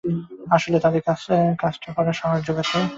আসলে তাদের কাজটা করার সাহস যোগাতে।